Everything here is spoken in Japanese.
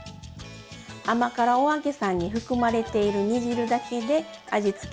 甘辛お揚げさんに含まれている煮汁だけで味付けできます。